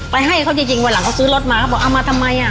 ให้เขาจริงวันหลังเขาซื้อรถมาเขาบอกเอามาทำไมอ่ะ